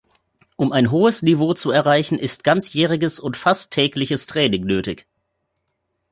Um ein hohes Niveau zu erreichen, ist ganzjähriges und fast tägliches Training nötig.